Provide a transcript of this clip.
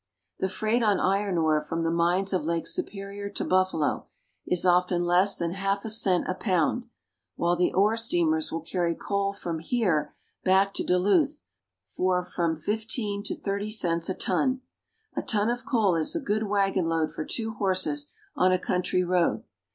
The freight on iron ore from the mines of Lake Supe rior to Buffalo is often less than half a cent a pound, while the ore steamers will carry coal from here back to Duluth for from fifteen to thirty cents a ton. A ton of coal is a good wagonload for two horses on a country road.